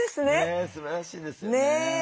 ねえすばらしいですよね。